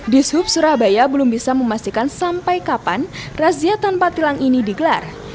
di sub surabaya belum bisa memastikan sampai kapan razia tanpa tilang ini digelar